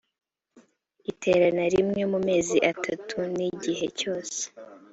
iterana rimwe mu mezi atatu n igihe cyose